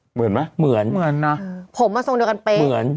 เหมือนไหมเหมือนเหมือนนะผมมาทรงเดียวกันเป็นเหมือน